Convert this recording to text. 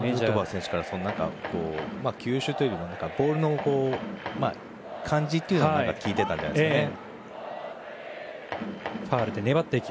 選手からは球種というよりはボールの感じというのを聞いてたんじゃないですかね。